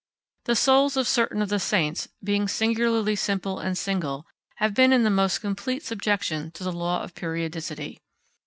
The souls of certain of the saints, being singularly simple and single, have been in the most complete subjection to the law of periodicity.